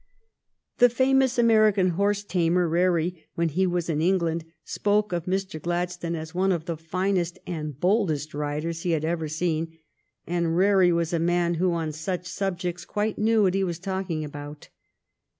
The famous American horse tamer, Rarey, when he was in England, spoke of Mr. Gladstone as one of the finest and boldest riders he had ever seen — and Rarey was a man who, on such subjects, quite knew what he was talking about.